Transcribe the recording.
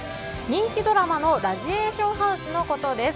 人気ドラマの「ラジエーションハウス」のことです。